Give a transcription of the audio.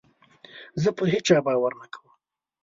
زه پر هېچا باور نه کوم.